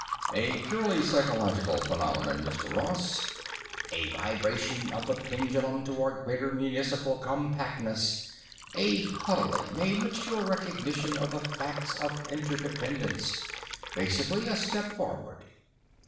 "A purely psychological phenomenon, Mr. Ross. A vibration of the pendulum toward greater municipal compactness, a huddling, a mature recognition of the facts of interdependence, basically a step forward...."